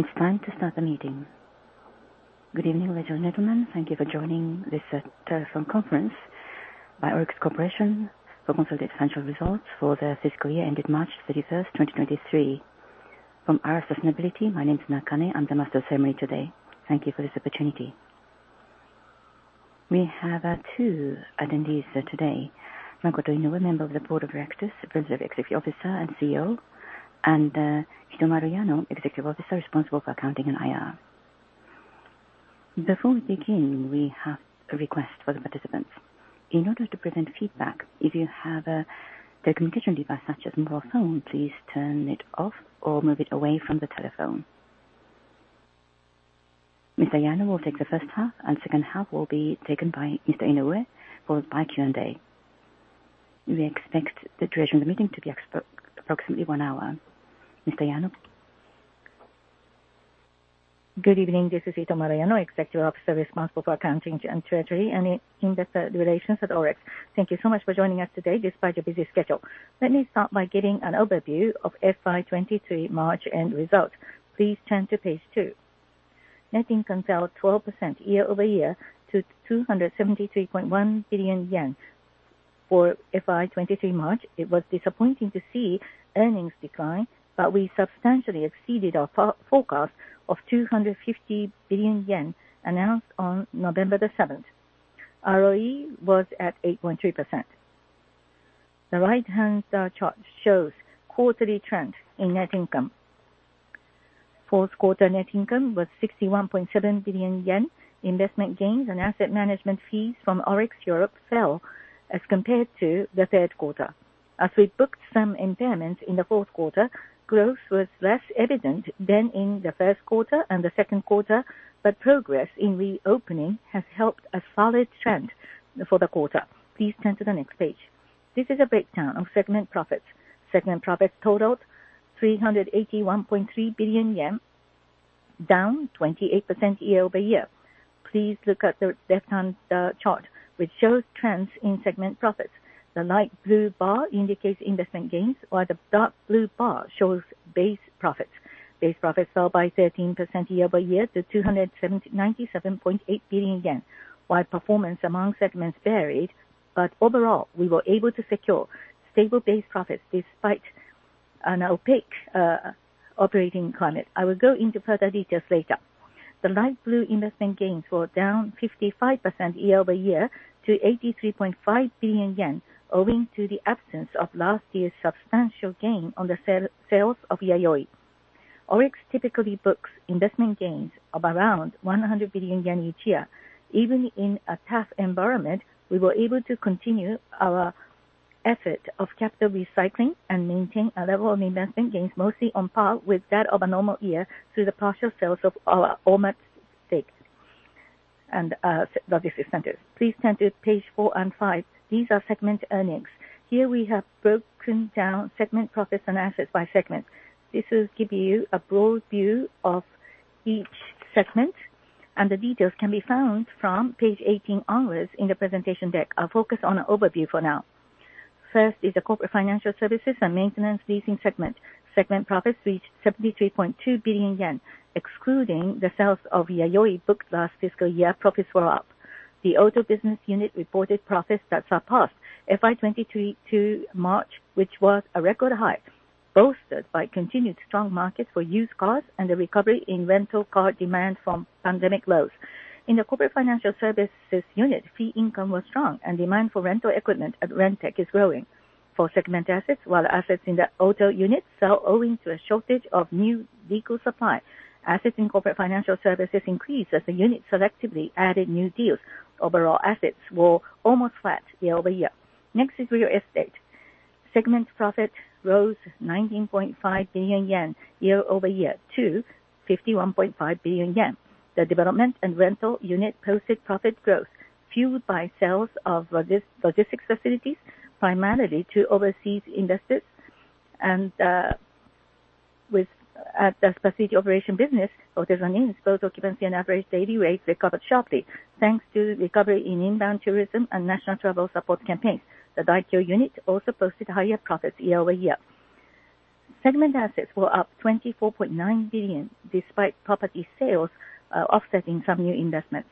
It's time to start the meeting. Good evening, ladies and gentlemen. Thank you for joining this telephone conference by ORIX Corporation for consolidated financial results for the fiscal year ended March 31st, 2023. From IR Sustainability, my name is Nakane. I'm the Master of Ceremony today. Thank you for this opportunity. We have two attendees today. Makoto Inoue, Member of the Board of Directors, President, Executive Officer, and CEO. Hitomaro Yano, Executive Officer responsible for accounting and IR. Before we begin, we have a request for the participants. In order to prevent feedback, if you have a communication device such as mobile phone, please turn it off or move it away from the telephone. Mr. Yano will take the first half, and second half will be taken by Mr. Inoue, followed by Q&A. We expect the duration of the meeting to be approximately one hour. Mr. Yano? Good evening. This is Hitomaro Yano, Executive Officer responsible for accounting and treasury and investor relations at ORIX. Thank you so much for joining us today despite your busy schedule. Let me start by giving an overview of FY2023 March end results. Please turn to page two. Net income fell 12% year-over-year to 273.1 billion yen. For FY2023 March, it was disappointing to see earnings decline, but we substantially exceeded our forecast of 250 billion yen announced on 7th November. ROE was at 8.2%. The right-hand chart shows quarterly trend in net income. Fourth quarter net income was 61.7 billion yen. Investment gains and asset management fees from ORIX Europe fell as compared to the 3rd quarter. As we booked some impairments in the fourth quarter, growth was less evident than in the first quarter and the second quarter, but progress in reopening has helped a solid trend for the quarter. Please turn to the next page. This is a breakdown of segment profits. Segment profits totaled 381.3 billion yen, down 28% year-over-year. Please look at the left-hand chart, which shows trends in segment profits. The light blue bar indicates investment gains, while the dark blue bar shows base profits. Base profits fell by 13% year-over-year to 297.8 billion yen, while performance among segments varied. Overall, we were able to secure stable base profits despite an opaque operating climate. I will go into further details later. The light blue investment gains were down 55% year-over-year to 83.5 billion yen, owing to the absence of last year's substantial gain on the sale, sales of Yayoi. ORIX typically books investment gains of around 100 billion yen each year. Even in a tough environment, we were able to continue our effort of capital recycling and maintain a level of investment gains mostly on par with that of a normal year through the partial sales of our Ormat stake and logistics centers. Please turn to page four and five. These are segment earnings. Here we have broken down segment profits and assets by segment. This will give you a broad view of each segment, and the details can be found from page 18 onwards in the presentation deck. I'll focus on an overview for now. First is the corporate financial services and maintenance leasing segment. Segment profits reached 73.2 billion yen. Excluding the sales of Yayoi booked last fiscal year, profits were up. The auto business unit reported profits that surpassed FY 2023 to March, which was a record high, bolstered by continued strong market for used cars and the recovery in rental car demand from pandemic lows. In the corporate financial services unit, fee income was strong and demand for rental equipment at Rentech is growing. For segment assets, while assets in the auto unit fell owing to a shortage of new vehicle supply, assets in corporate financial services increased as the unit selectively added new deals. Overall assets were almost flat year-over-year. Real estate. Segment profit rose 19.5 billion yen year-over-year to 51.5 billion yen. The development and rental unit posted profit growth fueled by sales of logistics facilities, primarily to overseas investors. With the specific operation business, hotels and inns, both occupancy and average daily rate recovered sharply thanks to recovery in inbound tourism and national travel support campaigns. The DAIKYO unit also posted higher profits year-over-year. Segment assets were up 24.9 billion, despite property sales, offsetting some new investments.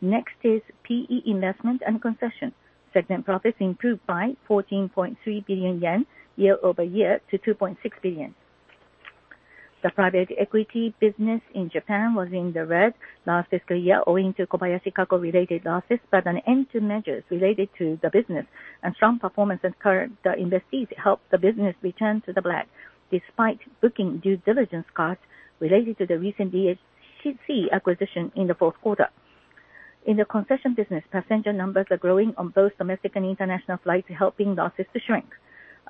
Next is PE Investment and Concession. Segment profits improved by 14.3 billion yen year-over-year to 2.6 billion. The private equity business in Japan was in the red last fiscal year, owing to Kobayashi Kako-related losses. An end to measures related to the business and strong performance in current investees helped the business return to the black, despite booking due diligence costs related to the recent DHC acquisition in the fourth quarter. In the concession business, passenger numbers are growing on both domestic and international flights, helping losses to shrink.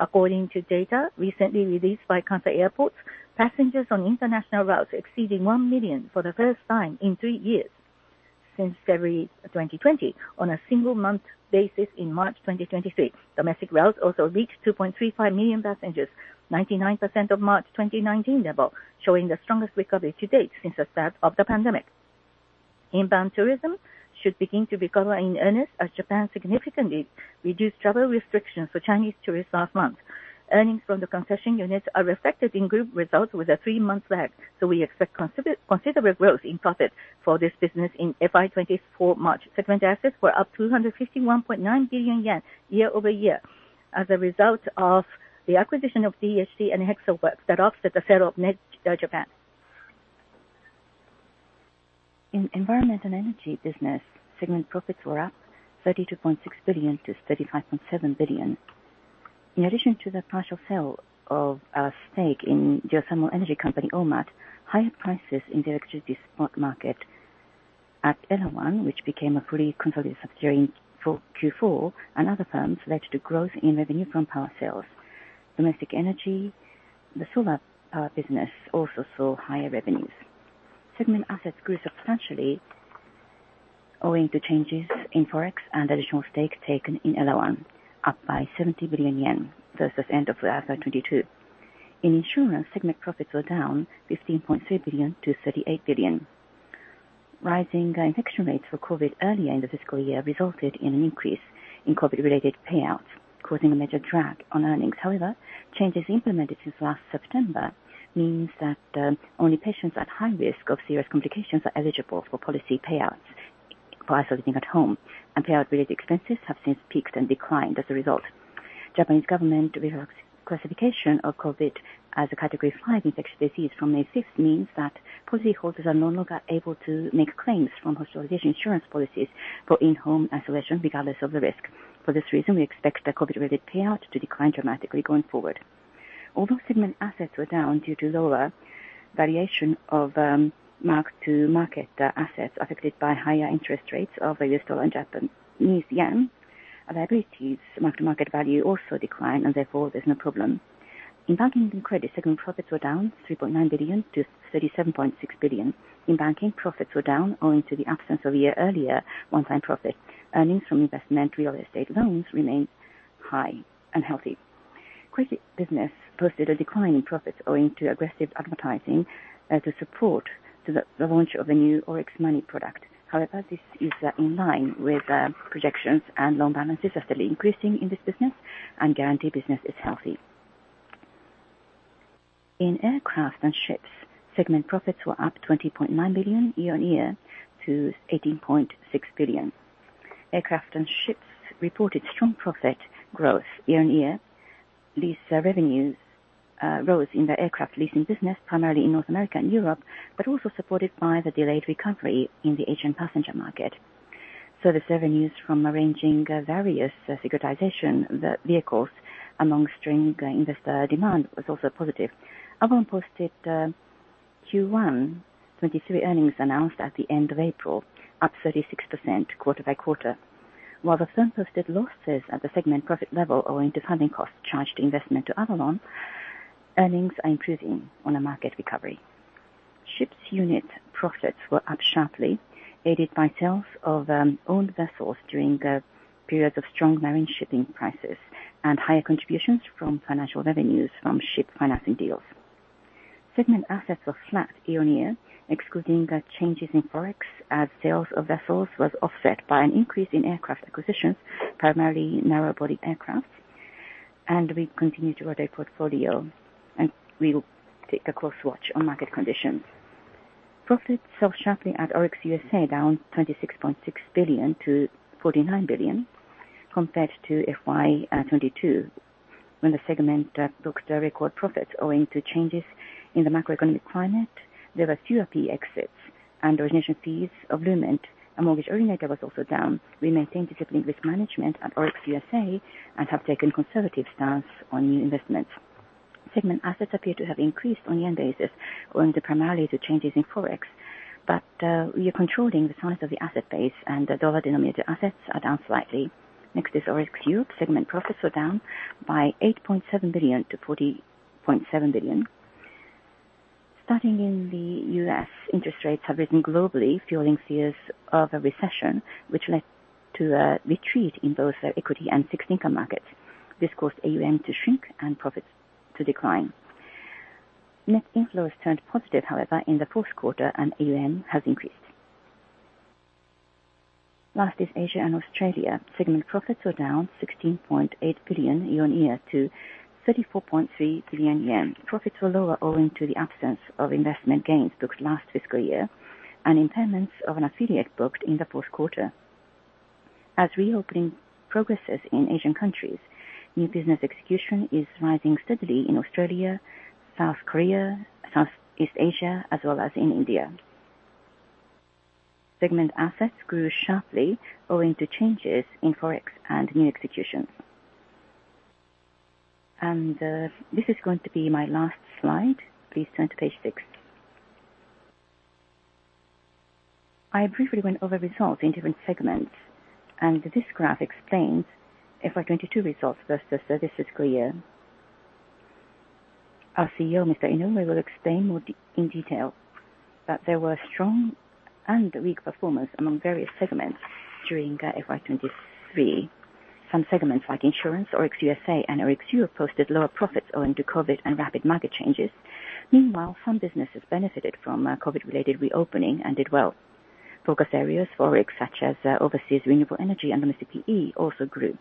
According to data recently released by Kansai Airports, passengers on international routes exceeding 1 million for the first time in three years since February 2020 on a single month basis in March 2023. Domestic routes also reached 2.35 million passengers, 99% of March 2019 level, showing the strongest recovery to date since the start of the pandemic. Inbound tourism should begin to recover in earnest as Japan significantly reduced travel restrictions for Chinese tourists last month. Earnings from the concession units are reflected in group results with a three-month lag, so we expect considerable growth in profit for this business in FY 2024 March. Segment assets were up 251.9 billion yen year-over-year as a result of the acquisition of DHC and HEXEL Works that offset the sale of Net Japan. In environment and energy business, segment profits were up 32.6 billion-35.7 billion. In addition to the partial sale of our stake in geothermal energy company Ormat, higher prices in the electricity spot market at Era One, which became a fully consolidated subsidiary for Q4 and other firms led to growth in revenue from power sales. Domestic energy, the solar power business also saw higher revenues. Segment assets grew substantially owing to changes in Forex and additional stakes taken in Era One, up by 70 billion yen versus end of FY 2022. In insurance, segment profits were down 15.3 billion to 38 billion. Rising infection rates for COVID earlier in the fiscal year resulted in an increase in COVID-related payouts, causing a major drag on earnings. Changes implemented since last September means that only patients at high risk of serious complications are eligible for policy payouts while sitting at home, and payout-related expenses have since peaked and declined as a result. Japanese government revoked classification of COVID as a Category five infectious disease from May sixth means that policyholders are no longer able to make claims from hospitalization insurance policies for in-home isolation regardless of the risk. For this reason, we expect the COVID-related payout to decline dramatically going forward. Although segment assets were down due to lower valuation of mark-to-market assets affected by higher interest rates of U.S. dollar and Japanese yen, liabilities mark-to-market value also declined, therefore there's no problem. In banking and credit, segment profits were down 3.9 billion to 37.6 billion. In banking, profits were down owing to the absence of a year earlier one-time profit. Earnings from investment real estate loans remained high and healthy. Credit business posted a decline in profits owing to aggressive advertising as a support to the launch of a new ORIX Money product. This is in line with projections and loan balances are steadily increasing in this business and guarantee business is healthy. In aircraft and ships, segment profits were up 20.9 billion year on year to 18.6 billion. Aircraft and ships reported strong profit growth year-over-year. These revenues rose in the aircraft leasing business, primarily in North America and Europe, but also supported by the delayed recovery in the Asian passenger market. Service revenues from arranging various securitization vehicles among strong investor demand was also positive. Avolon posted Q1 2023 earnings announced at the end of April, up 36% quarter-over-quarter. While the firm posted losses at the segment profit level owing to funding costs charged investment to Avolon, earnings are improving on a market recovery. Ships unit profits were up sharply, aided by sales of owned vessels during periods of strong marine shipping prices and higher contributions from financial revenues from ship financing deals. Segment assets were flat year-on-year, excluding changes in Forex as sales of vessels was offset by an increase in aircraft acquisitions, primarily narrow body aircraft. We continue to audit portfolio, and we will take a close watch on market conditions. Profits fell sharply at ORIX USA, down $26.6 billion to $49 billion compared to FY 2022, when the segment booked a record profit owing to changes in the macroeconomic climate. There were fewer PE exits and origination fees of Lument, a mortgage originator, was also down. We maintain disciplined risk management at ORIX USA and have taken conservative stance on new investments. Segment assets appear to have increased on year-on-year basis, owing to primarily to changes in Forex. We are controlling the size of the asset base and the dollar-denominated assets are down slightly. Next is ORIX Cube. Segment profits were down by 8.7 billion to 40.7 billion. Starting in the U.S. interest rates have risen globally, fueling fears of a recession, which led to a retreat in both equity and fixed income markets. This caused AUM to shrink and profits to decline. Net inflows turned positive, however, in the fourth quarter, and AUM has increased. Last is Asia and Australia. Segment profits were down by 16.8 billion year-on-year to 34.3 billion yen. Profits were lower owing to the absence of investment gains booked last fiscal year and impairments of an affiliate booked in the fourth quarter. As reopening progresses in Asian countries, new business execution is rising steadily in Australia, South Korea, Southeast Asia, as well as in India. Segment assets grew sharply owing to changes in Forex and new execution. This is going to be my last slide. Please turn to page six. I briefly went over results in different segments, and this graph explains FY 2022 results versus the fiscal year. Our CEO, Mr. Inoue, will explain more in detail that there were strong and weak performance among various segments during FY 2023. Some segments like insurance, ORIX USA and ORIX U posted lower profits owing to COVID and rapid market changes. Meanwhile, some businesses benefited from COVID related reopening and did well. Focus areas for ORIX such as overseas renewable energy and MCPE also grew.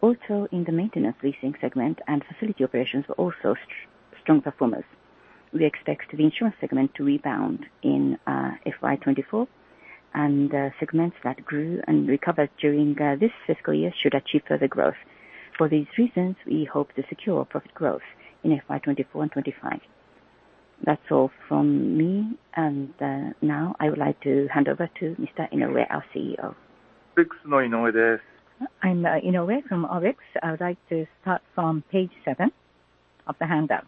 Also in the maintenance leasing segment and facility operations were also strong performers. We expect the insurance segment to rebound in FY 2024 and segments that grew and recovered during this fiscal year should achieve further growth. For these reasons, we hope to secure profit growth in FY 2024 and 2025. That's all from me. Now I would like to hand over to Mr. Inoue, our CEO. I'm Inoue from ORIX. I would like to start from page seven of the handout.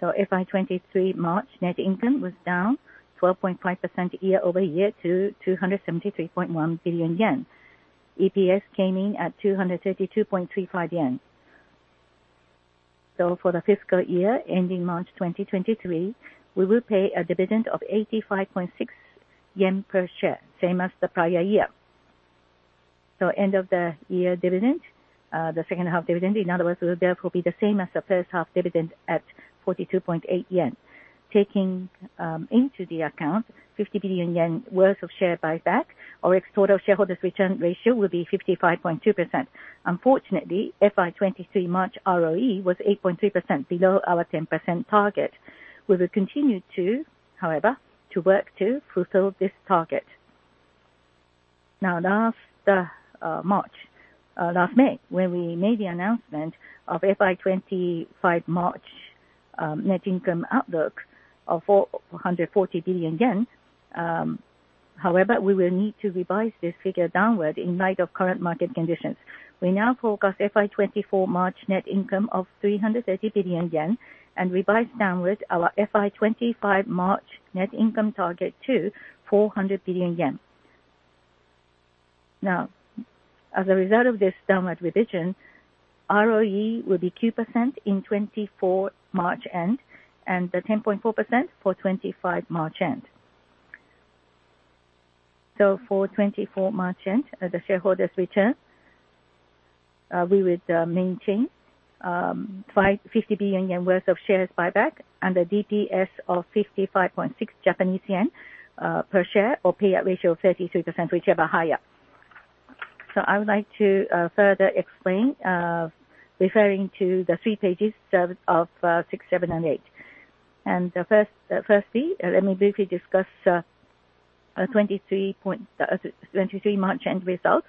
FY 2023 March net income was down 12.5% year-over-year to 273.1 billion yen. EPS came in at 232.35 yen. For the fiscal year ending March 2023, we will pay a dividend of 85.6 yen per share, same as the prior year. End of the year dividend, the second half dividend, in other words, will therefore be the same as the first half dividend at 42.8 yen. Taking into the account 50 billion yen worth of share buyback, ORIX total shareholders return ratio will be 55.2%. Unfortunately, FY 2023 March ROE was 8.3% below our 10% target. We will continue to, however, to work to fulfill this target. Last March, last May, when we made the announcement of FY 2025 March net income outlook of 440 billion yen, however, we will need to revise this figure downward in light of current market conditions. We now forecast FY 2024 March net income of 330 billion yen and revise downwards our FY 2025 March net income target to 400 billion yen. As a result of this downward revision, ROE will be 2% in 2024 March end and 10.4% for 2025 March end. For 2024 March end, as the shareholders return, we would maintain 50 billion yen worth of shares buyback and a DPS of 55.6 Japanese yen per share or pay at ratio of 33%, whichever higher. I would like to further explain, referring to the three pages of six, seven and eight. Firstly, let me briefly discuss 23 March end results.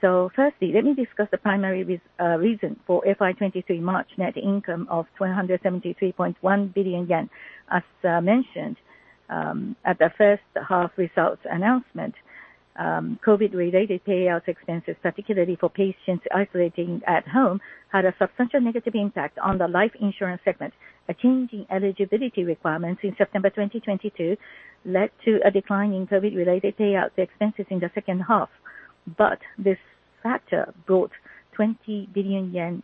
Firstly, let me discuss the primary reason for FY 2023 March net income of 273.1 billion yen. As mentioned, at the first half results announcement, COVID related payouts expenses, particularly for patients isolating at home, had a substantial negative impact on the life insurance segment. A change in eligibility requirements in September 2022 led to a decline in COVID related payout expenses in the second half. This factor brought 20 billion yen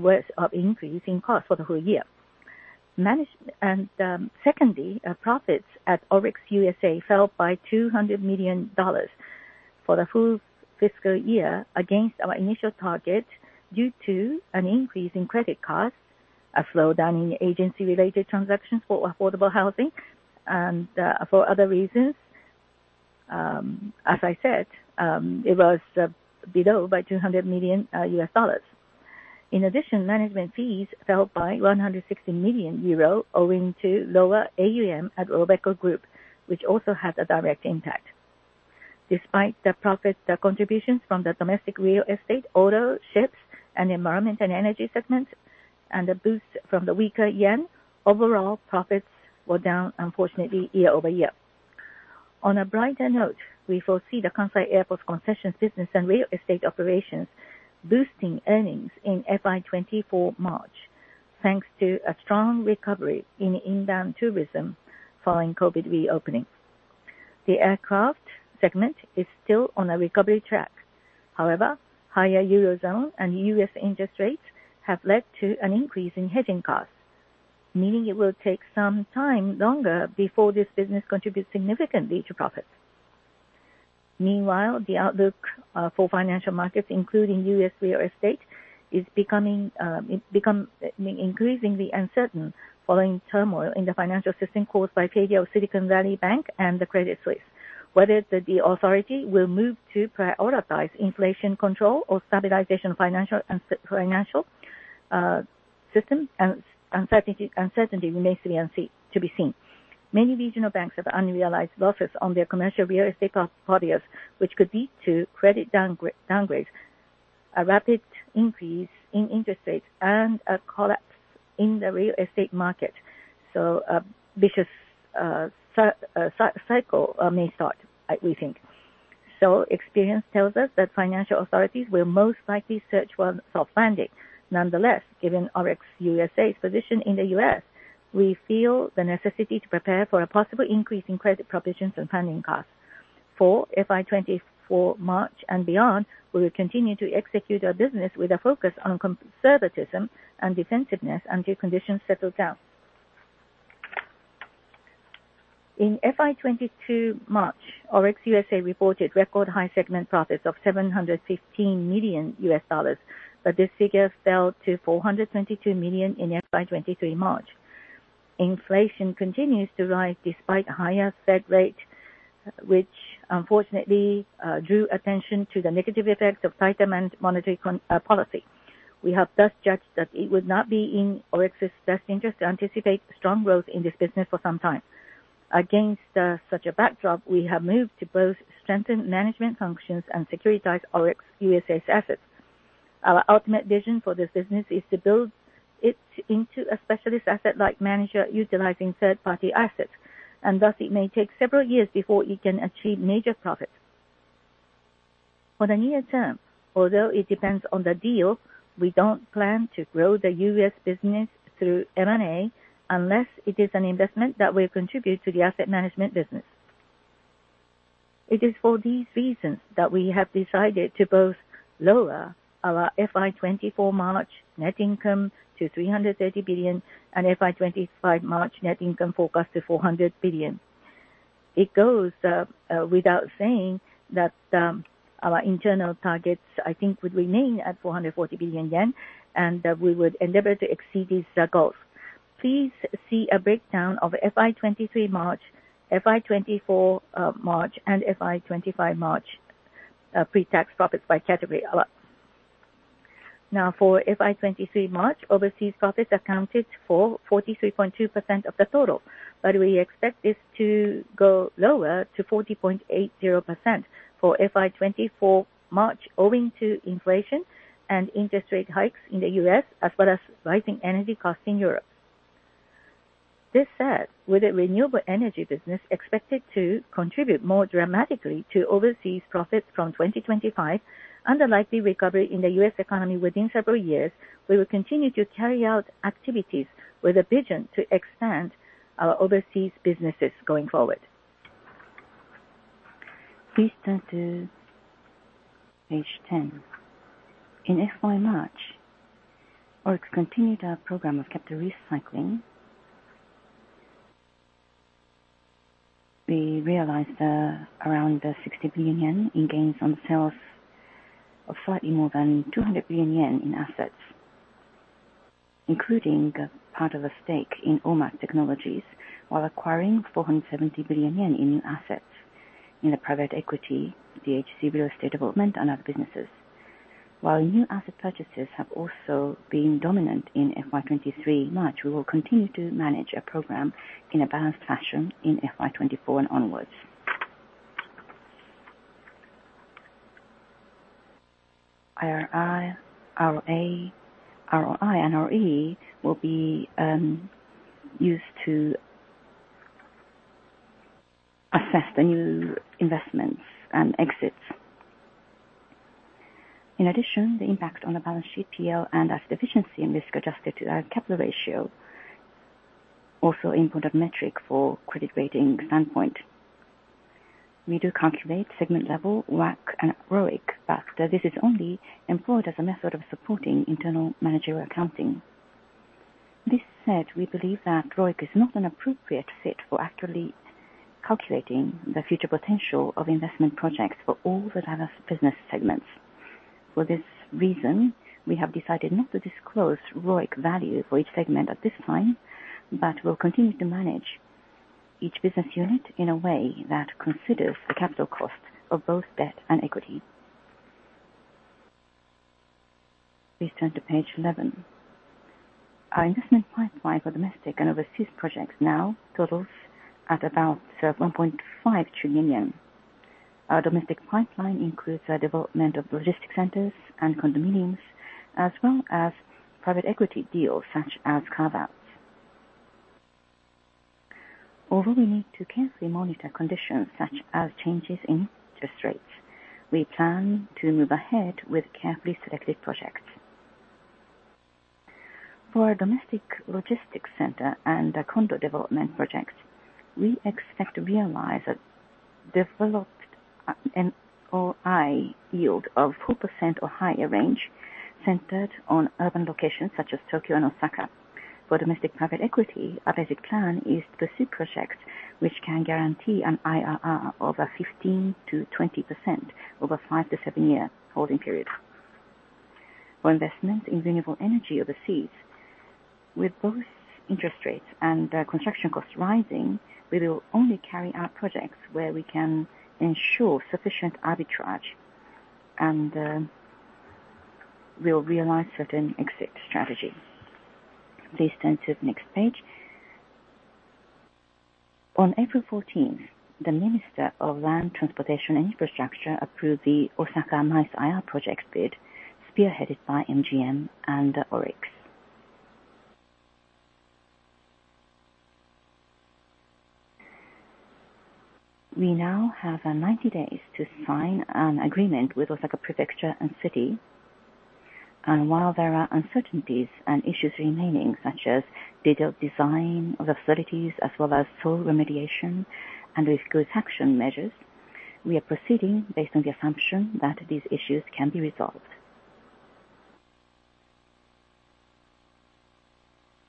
worth of increase in cost for the whole year. Secondly, profits at ORIX USA fell by $200 million for the full fiscal year against our initial target due to an increase in credit costs, a slowdown in agency-related transactions for affordable housing and for other reasons. As I said, it was below by $200 million. In addition, management fees fell by 160 million euro, owing to lower AUM at Robeco Group, which also has a direct impact. Despite the profit, the contributions from the domestic real estate, auto, ships and environment and energy segment and the boost from the weaker yen, overall profits were down unfortunately year-over-year. On a brighter note, we foresee the Kansai Airport concessions business and real estate operations boosting earnings in FY 2024 March, thanks to a strong recovery in inbound tourism following COVID reopening. The aircraft segment is still on a recovery track. However, higher Eurozone and U.S. interest rates have led to an increase in hedging costs, meaning it will take some time longer before this business contributes significantly to profits. Meanwhile, the outlook for financial markets, including U.S. real estate, is becoming increasingly uncertain following turmoil in the financial system caused by failure of Silicon Valley Bank and the Credit Suisse. Whether the authority will move to prioritize inflation control or stabilization of financial and financial system and uncertainty remains to be seen. Many regional banks have unrealized losses on their commercial real estate portfolios, which could lead to credit downgrades, a rapid increase in interest rates and a collapse in the real estate market. vicious cycle may start, we think. Experience tells us that financial authorities will most likely search for a soft landing. Nonetheless, given ORIX USA's position in the U.S. we feel the necessity to prepare for a possible increase in credit provisions and funding costs. For FY 2024 March and beyond, we will continue to execute our business with a focus on conservatism and defensiveness until conditions settle down. In FY 2022 March, ORIX USA reported record high segment profits of $715 million, but this figure fell to $422 million in FY 2023 March. Inflation continues to rise despite higher Fed rate, which unfortunately, drew attention to the negative effects of tighter monetary policy. We have thus judged that it would not be in ORIX's best interest to anticipate strong growth in this business for some time. Against such a backdrop, we have moved to both strengthen management functions and securitize ORIX USA's assets. Our ultimate vision for this business is to build it into a specialist asset like manager utilizing third-party assets, and thus it may take several years before it can achieve major profits. For the near term, although it depends on the deal, we don't plan to grow the U.S. business through M&A unless it is an investment that will contribute to the asset management business. It is for these reasons that we have decided to both lower our FY 2024 March net income to 330 billion and FY 2025 March net income forecast to 400 billion. It goes without saying that our internal targets, I think, would remain at 440 billion yen, and we would endeavor to exceed these goals. Please see a breakdown of FY 2023 March, FY 2024 March, and FY 2025 March pre-tax profits by category. For FY 2023 March, overseas profits accounted for 43.2% of the total, but we expect this to go lower to 40.80% for FY 2024 March, owing to inflation and interest rate hikes in the U.S. as well as rising energy costs in Europe. This said, with the renewable energy business expected to contribute more dramatically to overseas profits from 2025 and the likely recovery in the U.S. economy within several years, we will continue to carry out activities with a vision to expand our overseas businesses going forward. Please turn to page 10. In FY March, ORIX continued our program of capital recycling. We realized around 60 billion yen in gains on sales of slightly more than 200 billion yen in assets, including a part of a stake in Omac Technologies, while acquiring 470 billion yen in new assets in the private equity, DHC real estate development, and other businesses. While new asset purchases have also been dominant in FY 2023 March, we will continue to manage our program in a balanced fashion in FY 2024 and onwards. IRR, ROA, ROI, and ROE will be used to assess the new investments and exits. In addition, the impact on the balance sheet PL and asset efficiency and risk-adjusted capital ratio also input a metric for credit rating standpoint. We do calculate segment-level WACC and ROIC, but this is only employed as a method of supporting internal managerial accounting. This said, we believe that ROIC is not an appropriate fit for actually calculating the future potential of investment projects for all the various business segments. For this reason, we have decided not to disclose ROIC value for each segment at this time, but will continue to manage each business unit in a way that considers the capital cost of both debt and equity. Please turn to page 11. Our investment pipeline for domestic and overseas projects now totals at about 1.5 trillion yen. Our domestic pipeline includes the development of logistics centers and condominiums, as well as private equity deals such as carve-outs. Although we need to carefully monitor conditions such as changes in interest rates, we plan to move ahead with carefully selected projects. For domestic logistics center and the condo development projects, we expect to realize a developed NOI yield of 4% or higher range centered on urban locations such as Tokyo and Osaka. For domestic private equity, our basic plan is to pursue projects which can guarantee an IRR over 15%-20% over 5-7-year holding period. For investment in renewable energy overseas, with both interest rates and construction costs rising, we will only carry out projects where we can ensure sufficient arbitrage, we'll realize certain exit strategy. Please turn to the next page. On April 14th, the Minister of Land, Infrastructure, Transport and Tourism approved the Osaka MICE IR projects bid, spearheaded by MGM and ORIX. We now have 90 days to sign an agreement with Osaka Prefecture and City. While there are uncertainties and issues remaining, such as detailed design of the facilities as well as full remediation and risk reduction measures, we are proceeding based on the assumption that these issues can be resolved.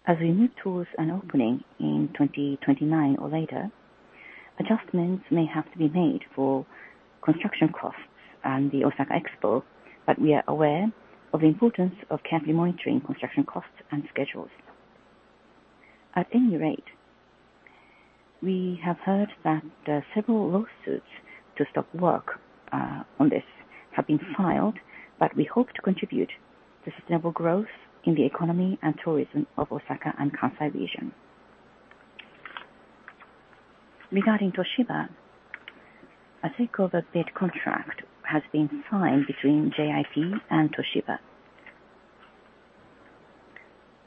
As we move towards an opening in 2029 or later, adjustments may have to be made for construction costs and the Osaka Expo, but we are aware of the importance of carefully monitoring construction costs and schedules. At any rate, we have heard that several lawsuits to stop work on this have been filed, but we hope to contribute to sustainable growth in the economy and tourism of Osaka and Kansai region. Regarding Toshiba, a takeover bid contract has been signed between JIP and Toshiba.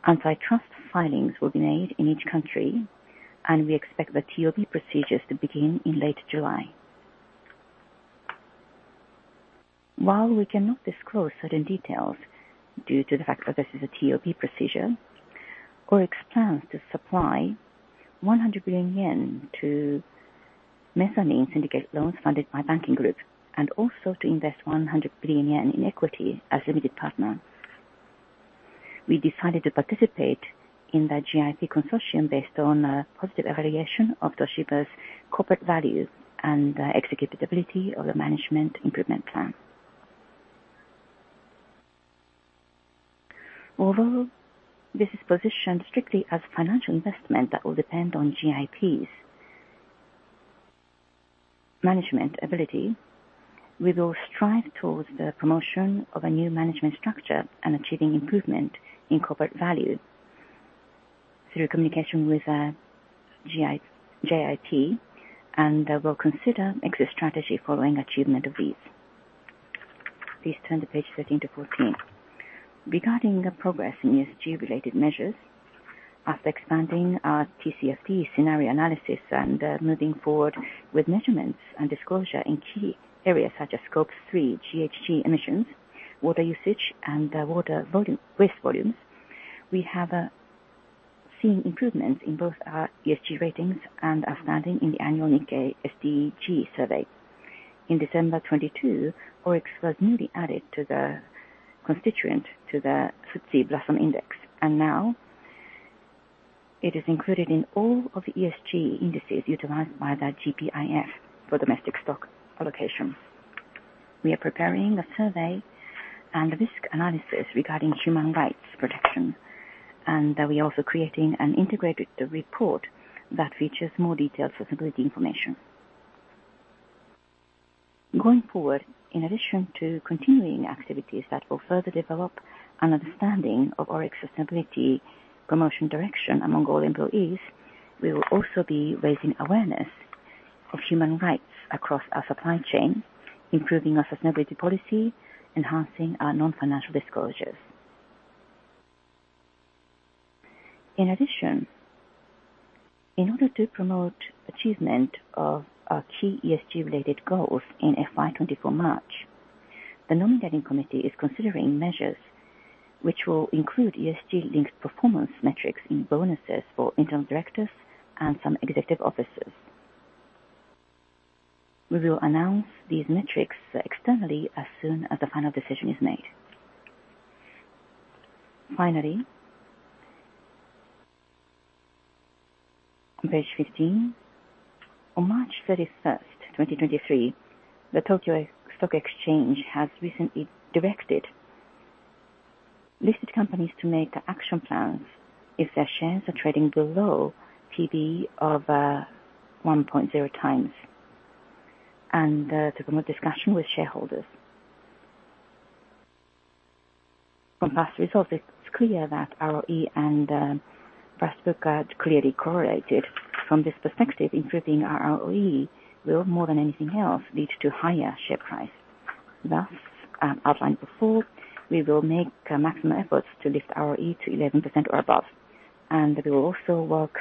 Antitrust filings will be made in each country, and we expect the TOB procedures to begin in late July. While we cannot disclose certain details due to the fact that this is a TOB procedure, ORIX plans to supply 100 billion yen to mezzanine syndicate loans funded by banking groups and also to invest 100 billion yen in equity as limited partner. We decided to participate in the JIP consortium based on a positive evaluation of Toshiba's corporate values and executability of the management improvement plan. Although this is positioned strictly as financial investment that will depend on JIP's management ability, we will strive towards the promotion of a new management structure and achieving improvement in corporate value through communication with JIP, and we'll consider exit strategy following achievement of these. Please turn to page 13 to 14. Regarding the progress in ESG-related measures, after expanding our TCFD scenario analysis and moving forward with measurements and disclosure in key areas such as Scope three GHG emissions, water usage, and waste volumes, we have seen improvements in both our ESG ratings and our standing in the annual Nikkei SDG survey. In December 2022, ORIX was newly added to the constituent to the FTSE Blossom index, and now it is included in all of the ESG indices utilized by the GPIF for domestic stock allocation. We are preparing a survey and risk analysis regarding human rights protection, and we are also creating an integrated report that features more detailed sustainability information. Going forward, in addition to continuing activities that will further develop an understanding of ORIX sustainability promotion direction among all employees, we will also be raising awareness of human rights across our supply chain, improving our sustainability policy, enhancing our non-financial risk disclosures. In order to promote achievement of our key ESG related goals in FY 2024 March, the Nominating Committee is considering measures which will include ESG linked performance metrics in bonuses for internal directors and some executive officers. We will announce these metrics externally as soon as the final decision is made. On page 15. On 31st March 2023, the Tokyo Stock Exchange has recently directed listed companies to make action plans if their shares are trading below P/B of 1.0 times and to promote discussion with shareholders. From past results, it's clear that ROE and price per share are clearly correlated. From this perspective, improving our ROE will, more than anything else, lead to higher share price. Thus, outlined before, we will make maximum efforts to lift ROE to 11% or above, and we will also work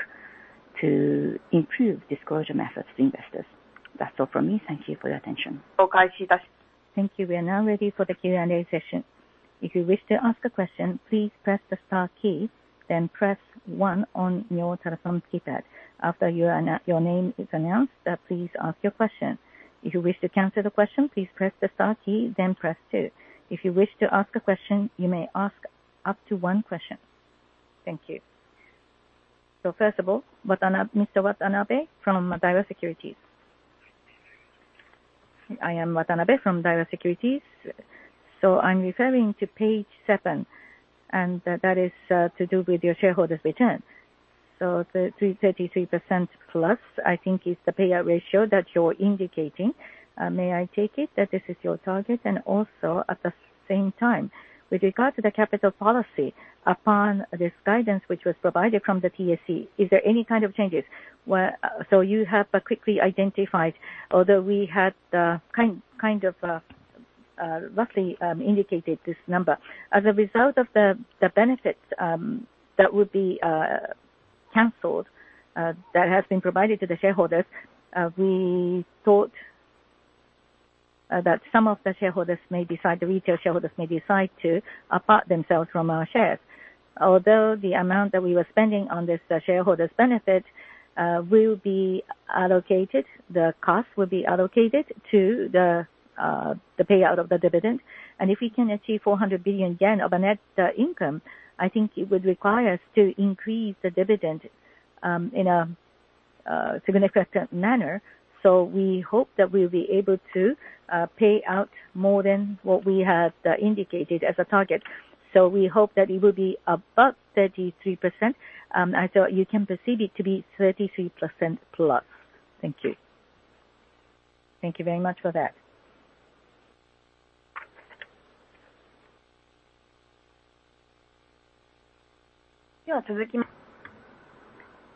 to improve disclosure methods to investors. That's all from me. Thank you for your attention. Thank you. We are now ready for the Q&A session. If you wish to ask a question, please press the star key, then press 1 on your telephone keypad. After your name is announced, please ask your question. If you wish to cancel the question, please press the star key, then press two. If you wish to ask a question, you may ask up to 1 question. Thank you. First of all, Mr. Watanabe from Daiwa Securities. I am Watanabe from Daiwa Securities. I'm referring to page seven, and that is to do with your shareholders return. 33% plus, I think is the payout ratio that you're indicating. May I take it that this is your target? Also, at the same time, with regard to the capital policy upon this guidance which was provided from the TSE, is there any kind of changes? You have quickly identified, although we had kind of roughly indicated this number. As a result of the benefits that would be canceled that have been provided to the shareholders, we thought that some of the shareholders may decide, the retail shareholders may decide to apart themselves from our shares. Although the amount that we were spending on this, the shareholders benefit will be allocated. The cost will be allocated to the payout of the dividend. If we can achieve 400 billion yen of a net income, I think it would require us to increase the dividend in a significant manner. We hope that we'll be able to pay out more than what we have indicated as a target. We hope that it will be above 33%. You can perceive it to be 33% plus. Thank you. Thank you very much for that.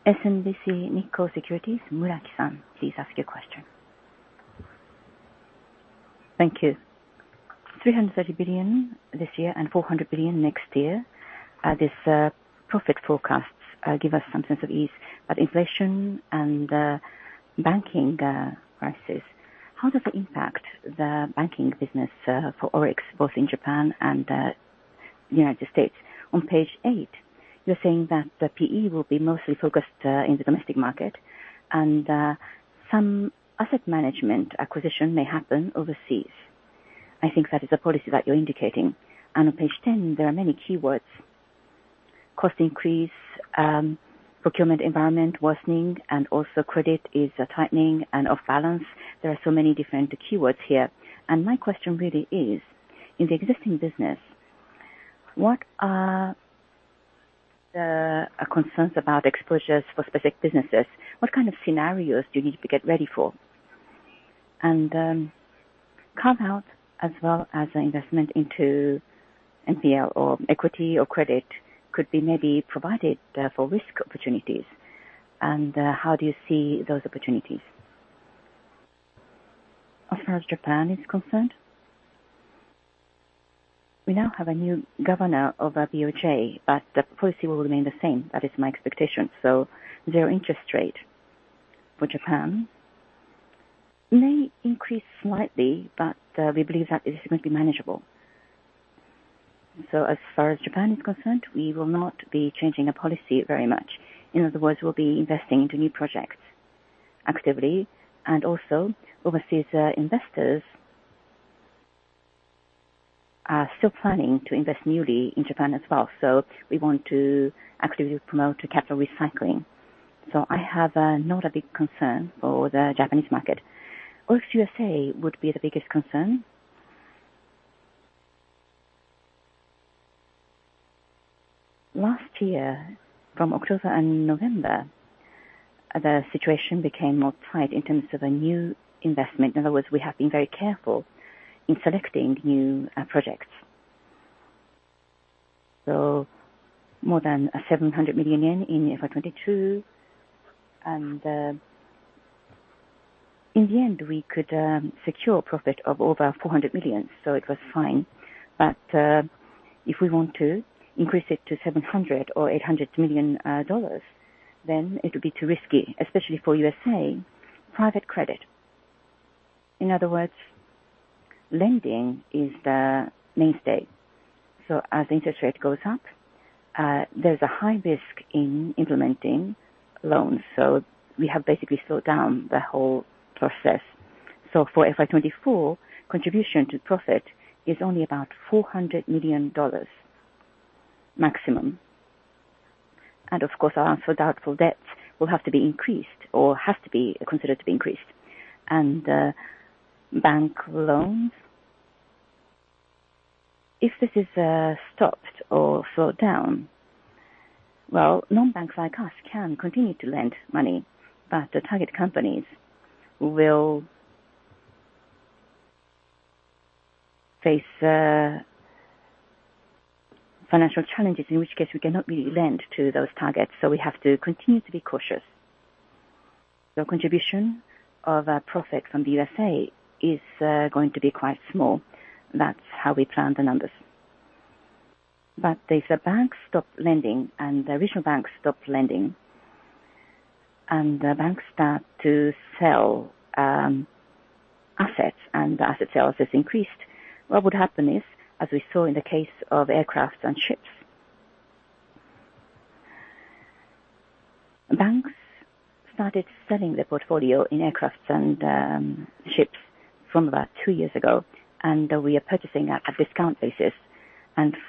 SMBC Nikko Securities, Muraki-san, please ask your question. Thank you. 330 billion this year and 400 billion next year. This profit forecasts give us some sense of ease. Inflation and banking crisis, how does it impact the banking business for ORIX, both in Japan and United States? On page eight, you're saying that the PE will be mostly focused in the domestic market, and some asset management acquisition may happen overseas. I think that is a policy that you're indicating. On page 10, there are many keywords: cost increase, procurement environment worsening, and also credit is tightening and off balance. There are so many different keywords here. My question really is, in the existing business, what are the concerns about exposures for specific businesses? What kind of scenarios do you need to get ready for? Carve-outs as well as investment into NPL or equity or credit could be maybe provided for risk opportunities. How do you see those opportunities? As far as Japan is concerned, we now have a new governor of our BOJ, but the policy will remain the same. That is my expectation. Their interest rate for Japan may increase slightly, but we believe that it is going to be manageable. As far as Japan is concerned, we will not be changing the policy very much. In other words, we'll be investing into new projects actively. Also overseas, investors are still planning to invest newly in Japan as well. We want to actively promote capital recycling. I have not a big concern for the Japanese market. ORIX USA would be the biggest concern. Last year, from October and November, the situation became more tight in terms of a new investment. In other words, we have been very careful in selecting new projects. More than JPY 700 million in FY 2022. In the end, we could secure a profit of over $400 million, so it was fine. If we want to increase it to $700 million-$800 million, then it would be too risky, especially for USA private credit. In other words, lending is the mainstay. As interest rate goes up, there's a high risk in implementing loans. We have basically slowed down the whole process. For FY 2024, contribution to profit is only about $400 million maximum. Of course, our doubtful debts will have to be increased or have to be considered to be increased. Bank loans, if this is stopped or slowed down, well, non-banks like us can continue to lend money, but the target companies will face financial challenges, in which case we cannot really lend to those targets, so we have to continue to be cautious. Contribution of profit from the USA is going to be quite small. That's how we plan the numbers. If the banks stop lending and the regional banks stop lending, and the banks start to sell assets and asset sales is increased, what would happen is, as we saw in the case of aircrafts and ships. Banks started selling their portfolio in aircrafts and ships from about two years ago, we are purchasing at a discount basis.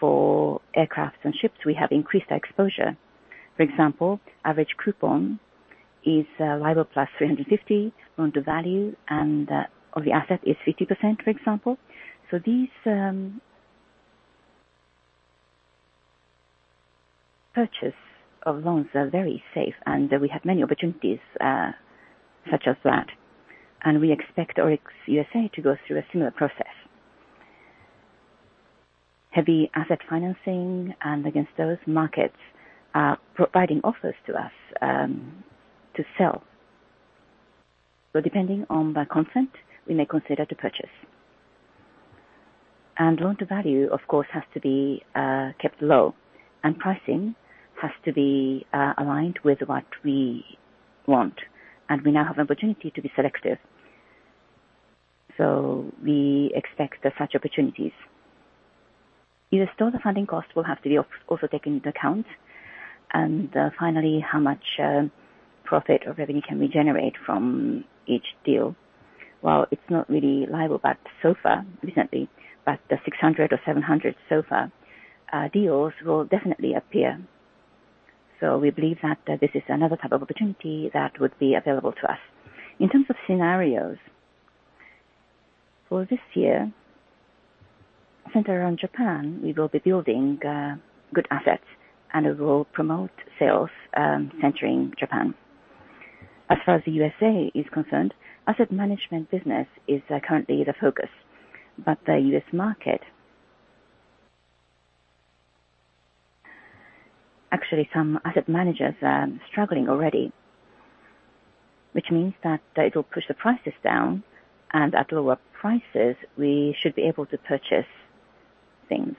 For aircrafts and ships, we have increased our exposure. For example, average coupon is LIBOR plus 350. Loan to value of the asset is 50%, for example. These purchase of loans are very safe, and we have many opportunities such as that. We expect ORIX USA to go through a similar process. Heavy asset financing and against those markets are providing offers to us to sell. Depending on the consent, we may consider to purchase. Loan to value, of course, has to be kept low, and pricing has to be aligned with what we want. We now have an opportunity to be selective. We expect such opportunities. Still, the funding cost will have to be also taken into account. Finally, how much profit or revenue can we generate from each deal? Well, it's not really reliable, but so far, recently, about 600 or 700 so far, deals will definitely appear. We believe that this is another type of opportunity that would be available to us. In terms of scenarios, for this year, center on Japan, we will be building good assets, and we will promote sales, centering Japan. As far as the USA is concerned, asset management business is currently the focus. The US market. Actually, some asset managers are struggling already, which means that it will push the prices down, and at lower prices, we should be able to purchase things.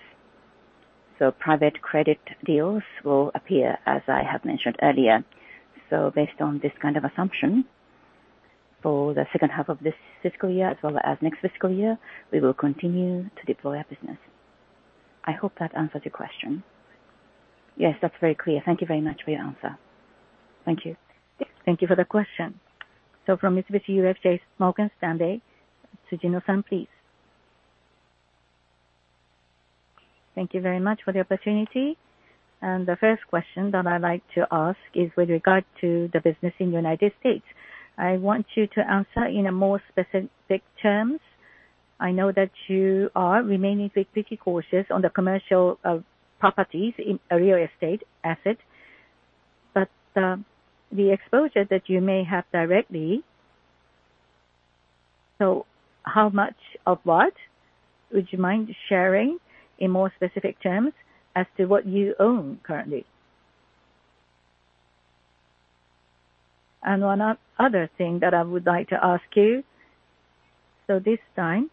Private credit deals will appear, as I have mentioned earlier. Based on this kind of assumption, for the second half of this fiscal year as well as next fiscal year, we will continue to deploy our business. I hope that answers your question. Yes, that's very clear. Thank you very much for your answer. Thank you. Thank you for the question. From Mitsubishi UFJ Morgan Stanley Securities, Tsujino-san, please. Thank you very much for the opportunity. The first question that I'd like to ask is with regard to the business in the U.S. I want you to answer in a more specific terms. I know that you are remaining pretty cautious on the commercial properties in a real estate asset, but the exposure that you may have directly. How much of what would you mind sharing in more specific terms as to what you own currently? One other thing that I would like to ask you, this time,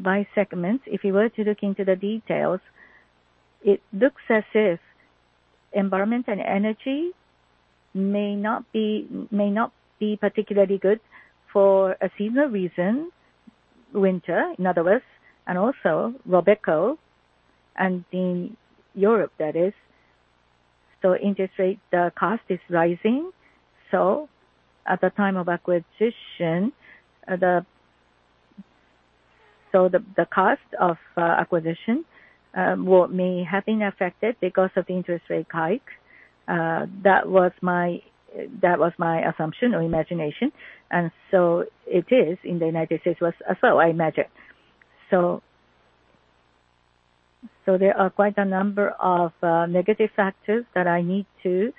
by segments, if you were to look into the details, it looks as if environment and energy may not be particularly good for a similar reason, winter, in other words, and also Robeco and in Europe, that is. Interest rate, the cost is rising. At the time of acquisition, the cost of acquisition may have been affected because of interest rate hike. That was my assumption or imagination. It is in the United States was as well, I imagine. There are quite a number of negative factors that I need to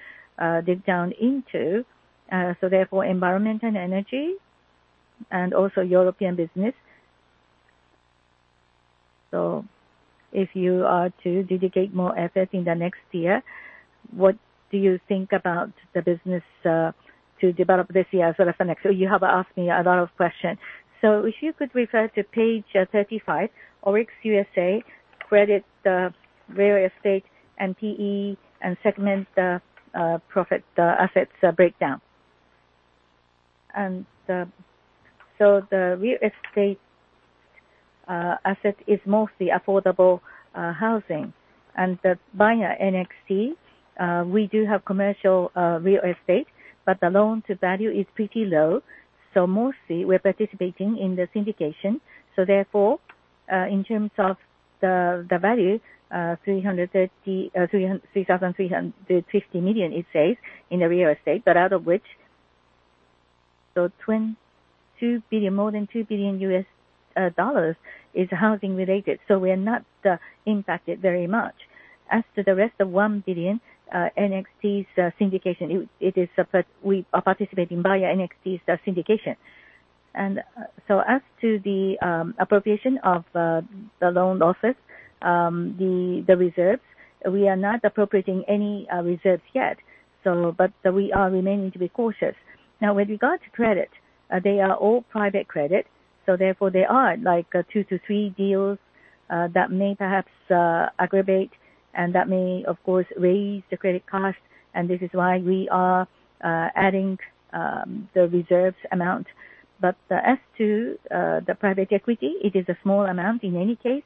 dig down into. Environment and energy and also European business. If you are to dedicate more effort in the next year, what do you think about the business, to develop this year as well as the next year? You have asked me a lot of questions. If you could refer to page 35, ORIX USA credit, real estate and PE and segment, profit, assets breakdown. The real estate, asset is mostly affordable, housing. Via NXC, we do have commercial, real estate, but the loan to value is pretty low, mostly we're participating in the syndication. Therefore, in terms of the value, $3,350 million it says in the real estate. Out of which, $2 billion, more than $2 billion U.S. dollars is housing related, so we are not impacted very much. As to the rest of $1 billion, NXT Capital's syndication, it is a part we are participating via NXT Capital's syndication. As to the appropriation of the loan losses, the reserves, we are not appropriating any reserves yet, but we are remaining to be cautious. With regard to credit, they are all private credit, so therefore there are like two to three deals that may perhaps aggravate and that may, of course, raise the credit cost, and this is why we are adding the reserves amount. As to the private equity, it is a small amount in any case,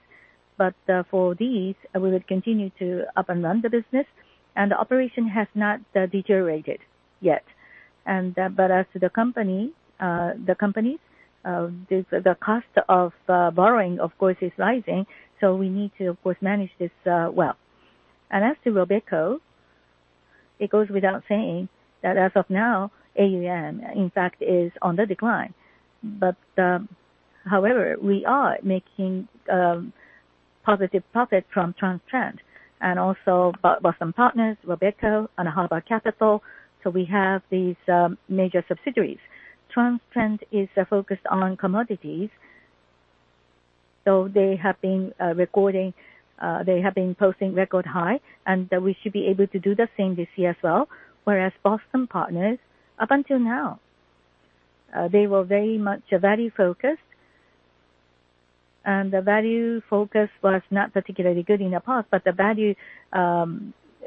but for these, we would continue to up and run the business. The operation has not deteriorated yet. But as to the company, the companies, the cost of borrowing of course, is rising, so we need to of course manage this well. As to Robeco, it goes without saying that as of now, AUM in fact is on the decline. However, we are making positive profit from Transtrend and also Boston Partners, Robeco, and Harbor Capital. We have these major subsidiaries. Transtrend is focused on commodities, so they have been recording, they have been posting record high, and we should be able to do the same this year as well. Whereas Boston Partners, up until now, they were very much value-focused. The value focus was not particularly good in the past, but the value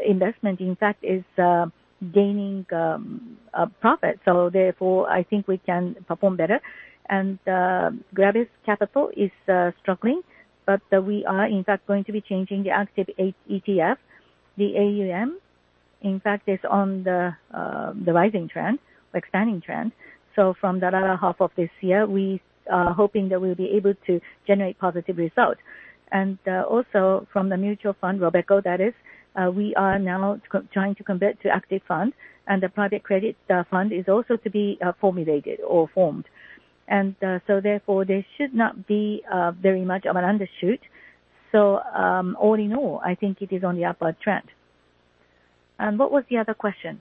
investment, in fact, is gaining a profit. Therefore, I think we can perform better. Gravis Capital is struggling, but we are in fact going to be changing the active HETF. The AUM, in fact, is on the rising trend or expanding trend. From the latter half of this year, we are hoping that we'll be able to generate positive results. Also from the mutual fund, Robeco that is, we are now trying to convert to active funds, and the private credit fund is also to be formulated or formed. Therefore, there should not be very much of an undershoot. All in all, I think it is on the upward trend. What was the other question?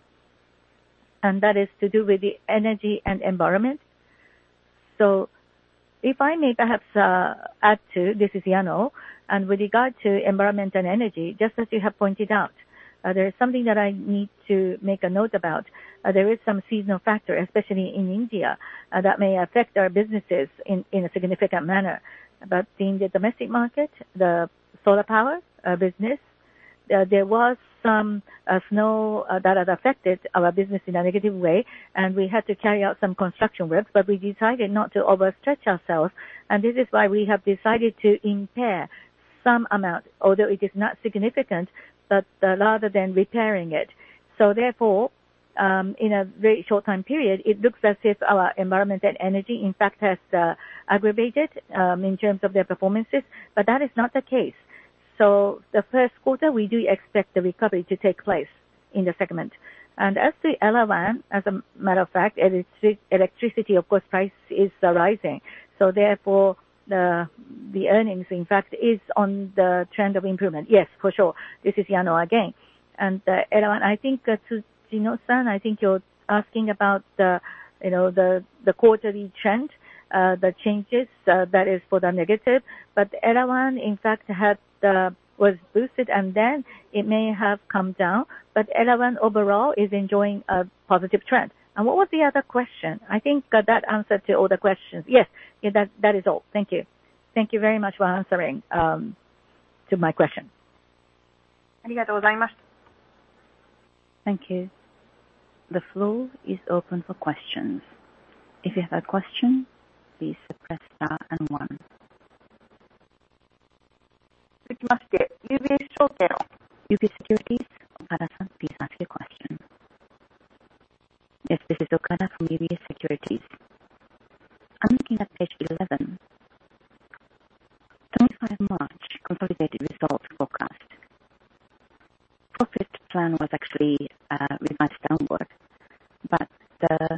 That is to do with the energy and environment. If I may perhaps add to, this is Yano. With regard to environment and energy, just as you have pointed out, there is something that I need to make a note about. There is some seasonal factor, especially in India, that may affect our businesses in a significant manner. Being the domestic market, the solar power business, there was some snow that has affected our business in a negative way, and we had to carry out some construction works. We decided not to overstretch ourselves, and this is why we have decided to impair some amount, although it is not significant, but rather than repairing it. Therefore, in a very short time period, it looks as if our environment and energy, in fact, has aggravated in terms of their performances, but that is not the case. The first quarter, we do expect the recovery to take place in the segment. As for Era One, as a matter of fact, electricity of course price is rising. Therefore, the earnings, in fact, is on the trend of improvement. Yes, for sure. This is Yano again. EROIN, I think Tsujino-san, I think you're asking about the, you know, the quarterly trend, the changes that is for the negative. EROIN, in fact, had was boosted, and then it may have come down, but EROIN overall is enjoying a positive trend. What was the other question? I think that answered to all the questions. Yes. Yes, that is all. Thank you. Thank you very much for answering to my question. Thank you. The floor is open for questions. If you have a question, please press star and one. UB Securities. Okada- san, please ask your question. Yes, this is Okada from UB Securities. I'm looking at page 11. 25th March consolidated results forecast. Profit plan was actually revised downward, but the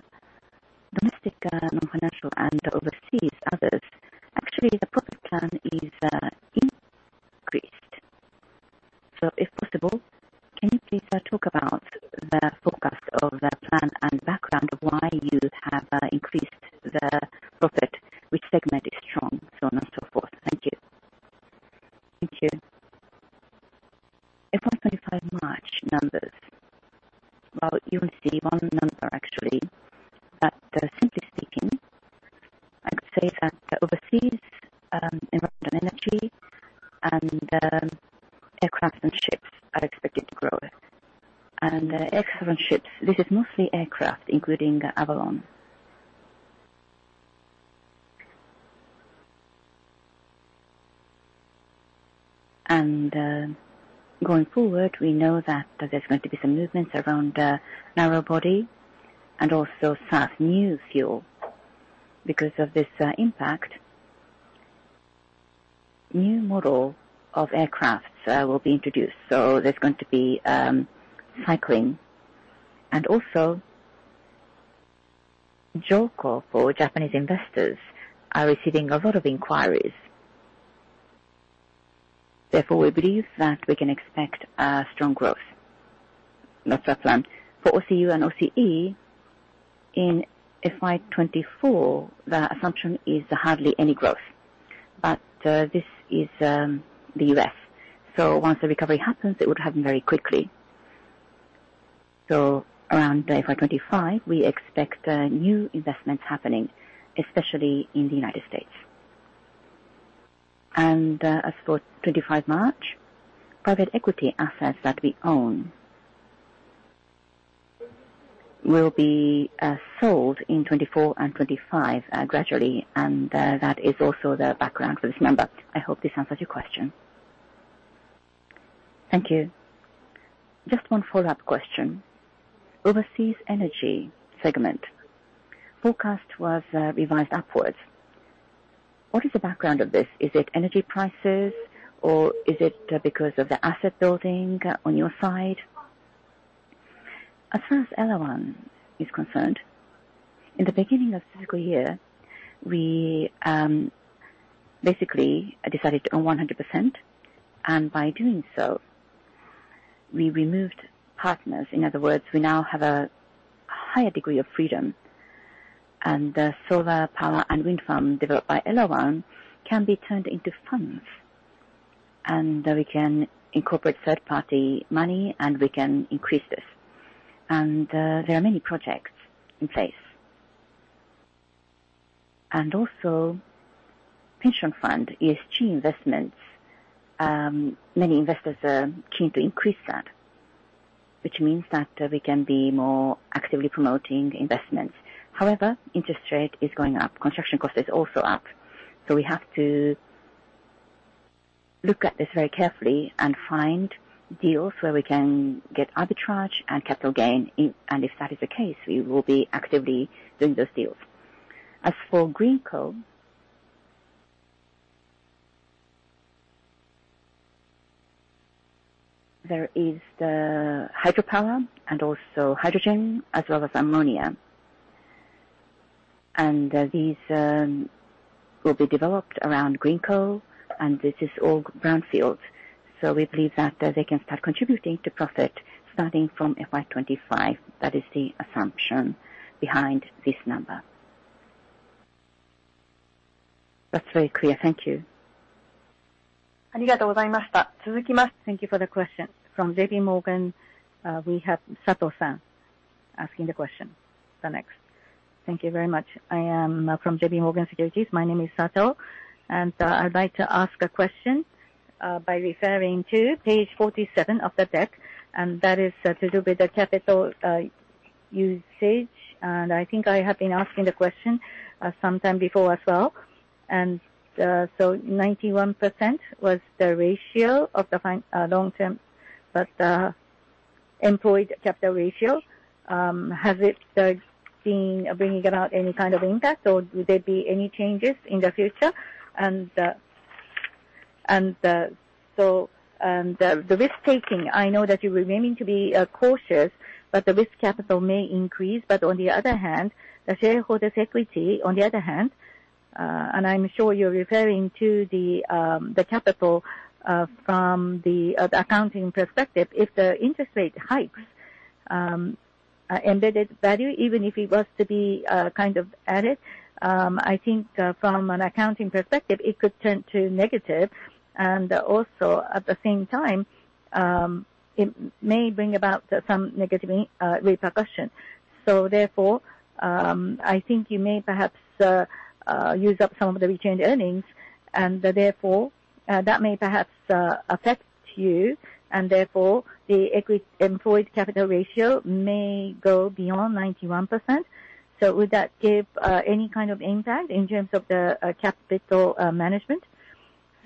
domestic non-financial and overseas others, actually, the profit plan is increased. If possible, can you please talk about the forecast of the plan and background of why you have increased the profit? Which segment is strong, so on and so forth? Thank you. Thank you. FY 2025 March numbers. Well, you will see one number actually, but simply speaking, I would say that the overseas environment energy and aircraft and ships are expected to grow. Aircraft and ships, this is mostly aircraft, including Avolon. Going forward, we know that there's going to be some movements around narrow body and also SAF new fuel. Because of this impact, new model of aircraft will be introduced, so there's going to be cycling. Also, Jo Co for Japanese investors are receiving a lot of inquiries. Therefore, we believe that we can expect a strong growth. That's our plan. For OCU and OCE, in FY 2024, the assumption is hardly any growth. This is the U.S. Once the recovery happens, it would happen very quickly. Around FY 2025, we expect new investments happening, especially in the United States. As for 2025 March, private equity assets that we own will be sold in 2024 and 2025 gradually, and that is also the background for this number. I hope this answers your question. Thank you. Just one follow-up question. Overseas energy segment forecast was revised upwards. What is the background of this? Is it energy prices, or is it because of the asset building on your side? As far as ENEOS is concerned, in the beginning of fiscal year, we basically decided to own 100%, and by doing so, we removed partners. In other words, we now have a higher degree of freedom. The solar power and wind farm developed by ENEOS can be turned into funds. We can incorporate third-party money, and we can increase this. There are many projects in place. Also pension fund, ESG investments, many investors are keen to increase that, which means that we can be more actively promoting investments. Interest rate is going up, construction cost is also up. We have to look at this very carefully and find deals where we can get arbitrage and capital gain. If that is the case, we will be actively doing those deals. As for Greenko, there is the hydropower and also hydrogen as well as ammonia. These will be developed around Greenko, and this is all brownfield. We believe that they can start contributing to profit starting from FY 2025. That is the assumption behind this number. That's very clear. Thank you. Thank you for the question. From JPMorgan, we have Sato San asking the question. The next. Thank you very much. I am from JPMorgan Securities. My name is Sato. I'd like to ask a question by referring to page 47 of the deck, and that is a little bit the capital usage. I think I have been asking the question sometime before as well. 91% was the ratio of the long-term, but employed capital ratio. Has it been bringing about any kind of impact, or will there be any changes in the future? The risk-taking, I know that you're remaining to be cautious, but the risk capital may increase. On the other hand, the shareholders' equity, on the other hand, I'm sure you're referring to the capital from the accounting perspective. If the interest rate hikes, embedded value, even if it was to be kind of added, I think from an accounting perspective, it could turn to negative and also at the same time, it may bring about some negative repercussion. Therefore, I think you may perhaps use up some of the retained earnings and therefore, that may perhaps affect you and therefore the employed capital ratio may go beyond 91%. Would that give any kind of impact in terms of the capital management?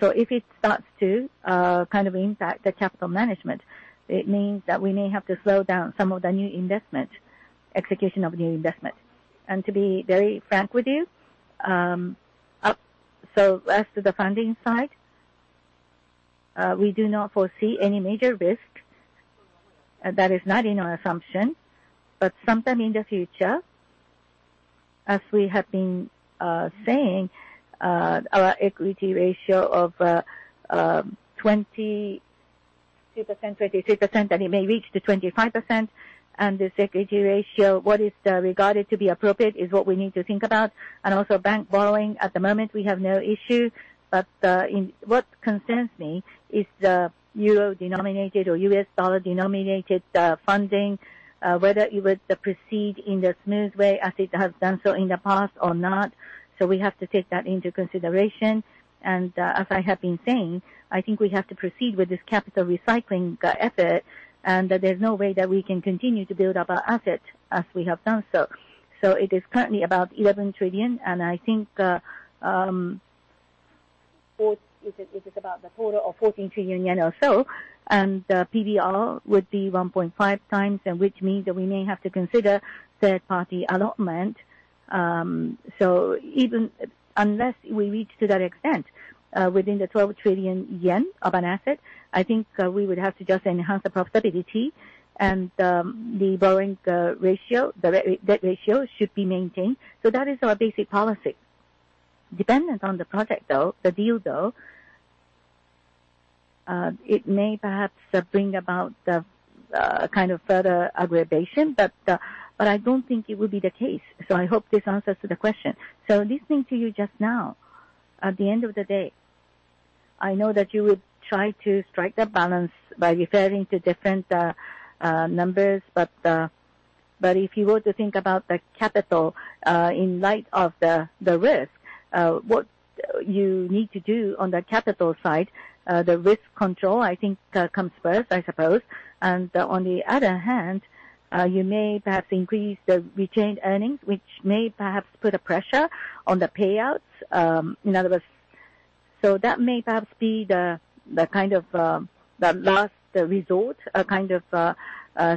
If it starts to kind of impact the capital management, it means that we may have to slow down some of the new investment, execution of new investment. To be very frank with you, as to the funding side, we do not foresee any major risk. That is not in our assumption. Sometime in the future, as we have been saying, our equity ratio of 22%, 23%, it may reach to 25%, and this equity ratio, what is regarded to be appropriate is what we need to think about. Also bank borrowing, at the moment, we have no issue. What concerns me is the euro-denominated or U.S. dollar-denominated funding, whether it would proceed in the smooth way as it has done so in the past or not. We have to take that into consideration. As I have been saying, I think we have to proceed with this capital recycling effort, and there's no way that we can continue to build up our assets as we have done so. It is currently about 11 trillion, is it about the total of 14 trillion yen or so? PBR would be 1.5x, and which means that we may have to consider third-party allotment. Unless we reach to that extent, within the 12 trillion yen of an asset, I think we would have to just enhance the profitability and the borrowing ratio, the debt ratio should be maintained. That is our basic policy. Dependent on the project, though, the deal, though, it may perhaps bring about the kind of further aggravation, but I don't think it would be the case. I hope this answers to the question. Listening to you just now, at the end of the day, I know that you would try to strike that balance by referring to different numbers. If you were to think about the capital, in light of the risk, what you need to do on the capital side, the risk control, I think, comes first, I suppose. On the other hand, you may perhaps increase the retained earnings, which may perhaps put a pressure on the payouts. In other words... That may perhaps be the kind of the last resort kind of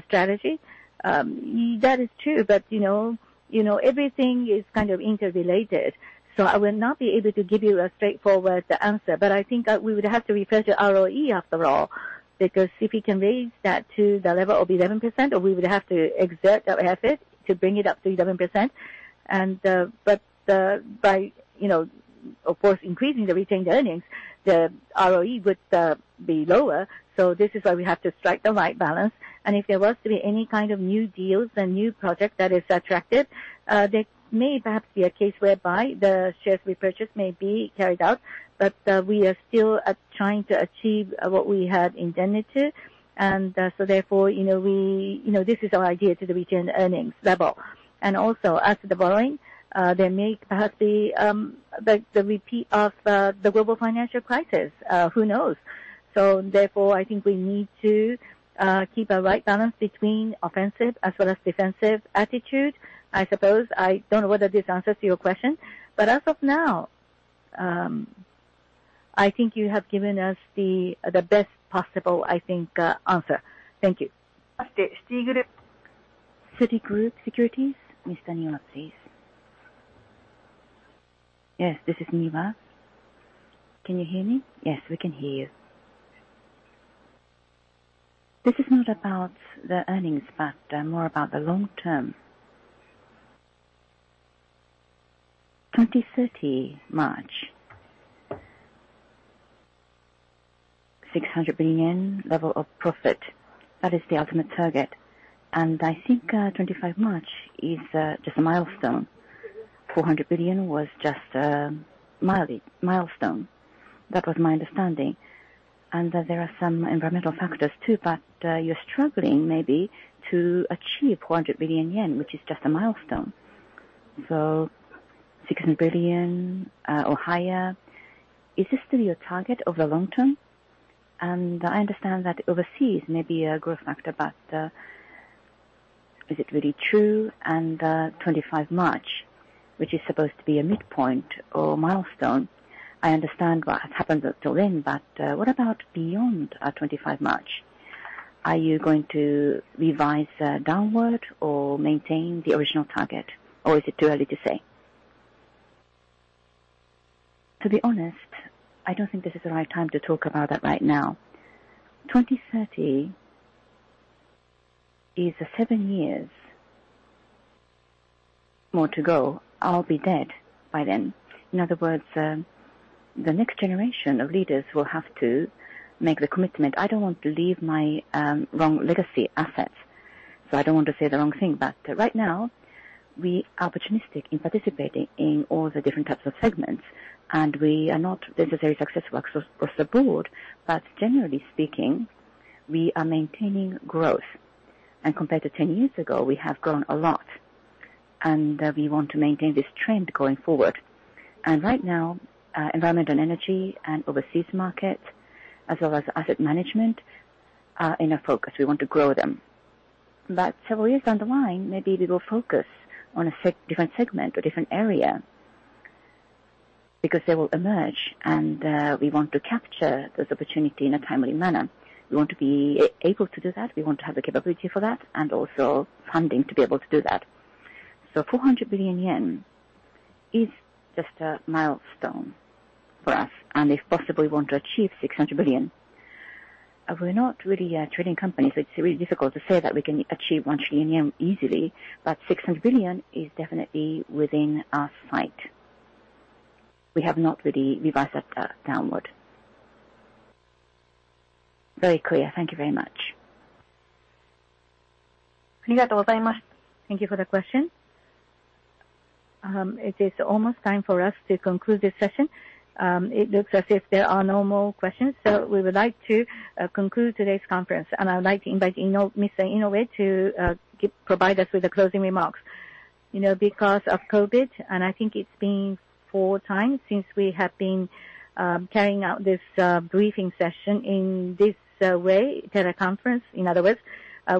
strategy. That is true, but, you know, you know, everything is kind of interrelated, so I will not be able to give you a straightforward answer. I think we would have to refer to ROE after all, because if we can raise that to the level of 11%, or we would have to exert our effort to bring it up to 11%. By, you know, of course, increasing the retained earnings, the ROE would be lower. This is why we have to strike the right balance. If there was to be any kind of new deals and new project that is attractive, there may perhaps be a case whereby the shares repurchase may be carried out, but we are still trying to achieve what we had intended to. So therefore, you know, this is our idea to the retained earnings level. Also as to the borrowing, there may perhaps be the repeat of the global financial crisis, who knows? Therefore, I think we need to keep a right balance between offensive as well as defensive attitude. I suppose. I don't know whether this answers to your question, but as of now, I think you have given us the best possible, I think, answer. Thank you. Citigroup Securities. Ms. Taniwa, please. Yes, this is Miwa. Can you hear me? Yes, we can hear you. This is not about the earnings, but more about the long term. 2030 March, 600 billion level of profit. That is the ultimate target. I think 2025 March is just a milestone. 400 billion was just mildly milestone. That was my understanding. There are some environmental factors too, but you're struggling maybe to achieve 400 billion yen, which is just a milestone. 600 billion or higher, is this still your target over long term? I understand that overseas may be a growth factor, but is it really true? 2025 March, which is supposed to be a midpoint or milestone, I understand what has happened until then, but what about beyond 2025 March? Are you going to revise downward or maintain the original target? Is it too early to say? To be honest, I don't think this is the right time to talk about that right now. 2030 is seven years more to go. I'll be dead by then. In other words, the next generation of leaders will have to make the commitment. I don't want to leave my wrong legacy assets, so I don't want to say the wrong thing. Right now, we are opportunistic in participating in all the different types of segments, and we are not necessarily successful across the board. Generally speaking, we are maintaining growth. Compared to 10 years ago, we have grown a lot, and we want to maintain this trend going forward. Right now, environment and energy and overseas market as well as asset management are in our focus. We want to grow them. Several years down the line, maybe we will focus on a different segment or different area because they will emerge, and we want to capture those opportunity in a timely manner. We want to be able to do that. We want to have the capability for that and also funding to be able to do that. 400 billion yen is just a milestone for us, and if possible, we want to achieve 600 billion. We're not really a trading company, so it's really difficult to say that we can achieve 1 trillion yen easily, but 600 billion is definitely within our sight. We have not really revised that downward. Very clear. Thank you very much. Thank you for the question. It is almost time for us to conclude this session. It looks as if there are no more questions, so we would like to conclude today's conference. I would like to invite Inoue, Mr. Inoue to provide us with the closing remarks. You know, because of COVID, I think it's been 4x since we have been carrying out this briefing session in this way, teleconference in other words.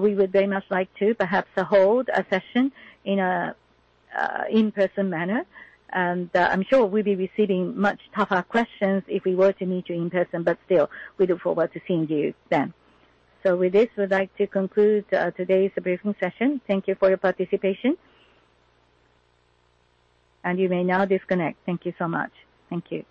We would very much like to perhaps hold a session in a in-person manner. I'm sure we'll be receiving much tougher questions if we were to meet you in person, but still we look forward to seeing you then. With this, we'd like to conclude today's briefing session. Thank you for your participation. You may now disconnect. Thank you so much. Thank you.